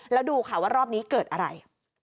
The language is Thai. แล้วดูค่ะว่ารอบนี้เกิดอะไร